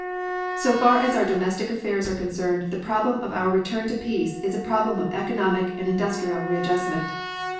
"So far as our domestic affairs are concerned the problem of our return to peace is a problem of economic and industrial readjustment.